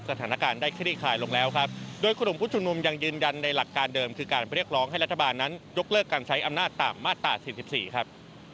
สถานการณ์ได้คลี่คลายลงแล้วครับโดยกลุ่มผู้ชุมนุมยังยืนยันในหลักการเดิมคือการเรียกร้องให้รัฐบาลนั้นยกเลิกการใช้อำนาจตามมาตรา๔๔ครับ